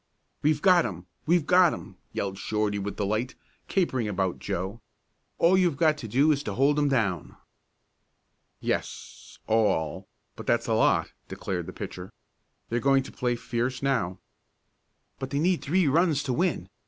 "We've got 'em! We've got 'em!" yelled Shorty with delight, capering about Joe. "All you've got to do is to hold 'em down!" "Yes all but that's a lot," declared the pitcher. "They're going to play fierce now." "But they need three runs to win.